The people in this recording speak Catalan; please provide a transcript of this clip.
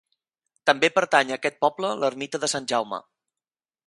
També pertany a aquest poble l'ermita de Sant Jaume.